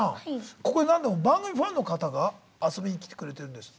ここに何でも番組ファンの方が遊びに来てくれてるんですって。